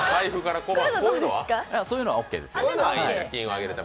そういうのはオッケーですよ。